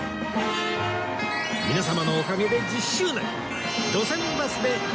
皆様のおかげで１０周年！